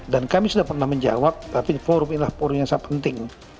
dan kami sudah pernah menjawab tapi forum ini adalah forum yang sangat penting